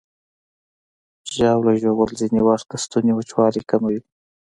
ژاوله ژوول ځینې وخت د ستوني وچوالی کموي.